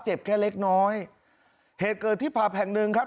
เจ็บแค่เล็กน้อยเหตุเกิดที่ผับแห่งหนึ่งครับ